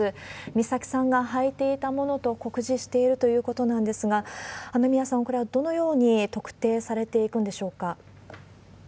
美咲さんが履いていたものと酷似しているということなんですが、雨宮さん、これはどのように特定されていくんでしょうか。